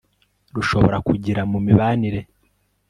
rushobora kugira mu mibanire